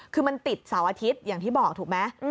คือมันติดเสาร์อาทิตย์อย่างที่บอกถูกไหม